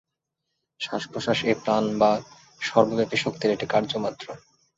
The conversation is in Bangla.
শ্বাসপ্রশ্বাস এই প্রাণ বা সর্বব্যাপী শক্তির একটি কার্য মাত্র।